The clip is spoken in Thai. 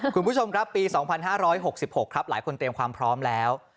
คุณผู้ชมครับปีสองพันห้าร้อยหกสิบหกครับหลายคนเตรียมความพร้อมแล้ว